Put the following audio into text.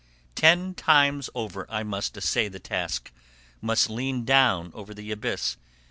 Ten times over I must essay the task, must lean down over the abyss.